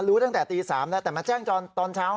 รู้ตั้งแต่ตี๓แล้วแต่มาแจ้งตอนเช้า